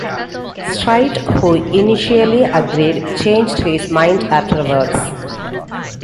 Straight, who initially agreed, changed his mind afterwards.